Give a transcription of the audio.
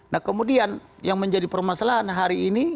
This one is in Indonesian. nah kemudian yang menjadi permasalahan hari ini